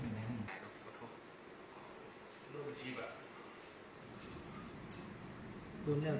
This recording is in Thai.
สบายว่ะ